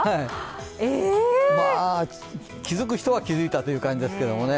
まあ、気付く人は気付いたという感じですけどね。